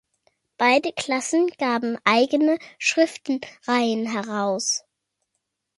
Beide Klassen gaben eigene Schriftenreihen heraus.